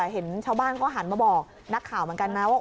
เห็นชาวบ้านเขาหันมาบอกนักข่าวเหมือนกันนะว่า